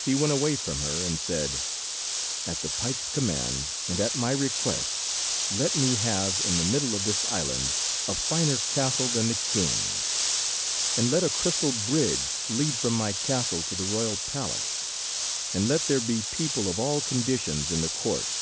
He went away from her, and said— "At the pike's command, and at my request, let me have, in the middle of this island, a finer castle than the king's, and let a crystal bridge lead from my castle to the royal palace, and let there be people of all conditions in the court."